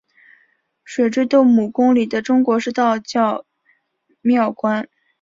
水碓斗母宫里的中国式道教庙观。